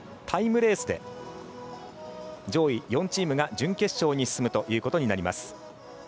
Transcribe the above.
タイムレースで上位４チームが準決勝に進むということになります。